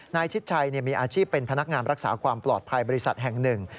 ชิดชัยมีอาชีพเป็นพนักงานรักษาความปลอดภัยบริษัทแห่งหนึ่ง